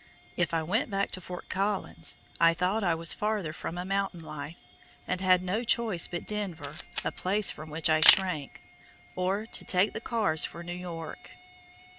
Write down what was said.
If I went back to Fort Collins, I thought I was farther from a mountain life, and had no choice but Denver, a place from which I shrank, or to take the cars for New York.